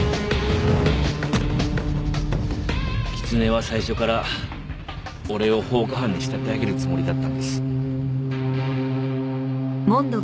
狐は最初から俺を放火犯に仕立て上げるつもりだったんです。